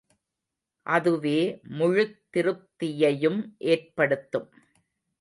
அதுவே முழுத் திருப்தியையும் ஏற்படுத்தும்.